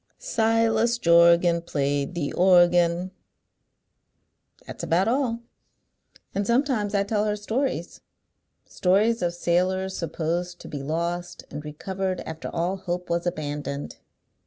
Silas Jorgan Played the organ. That's about all. And sometimes I tell her stories, stories of sailors supposed to be lost, and recovered after all hope was abandoned."